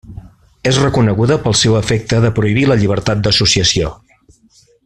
És reconeguda pel seu efecte de prohibir la llibertat d'associació.